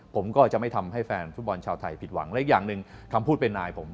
ผมก็จะไม่ทำให้แฟนฟุตบอลชาวไทยผิดหวังและอีกอย่างหนึ่งคำพูดเป็นนายผม